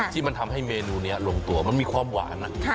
ที่มันทำให้เมนูนี้ลงตัวมันมีความหวาน